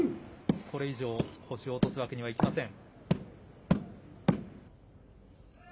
これ以上、星を落とすわけにはいきません。